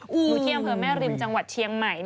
อยู่ที่อำเภอแม่ริมจังหวัดเชียงใหม่